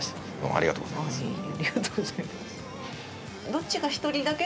ありがとうございます。